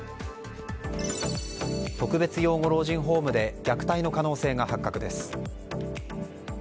特別養護老人ホームで虐待の可能性が発覚です。